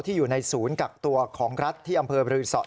อยู่ในศูนย์กักตัวของรัฐที่อำเภอบรือสอ